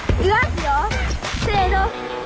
せの！